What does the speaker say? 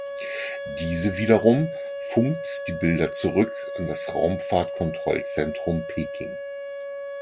Diese wiederum funkt die Bilder zurück an das Raumfahrtkontrollzentrum Peking.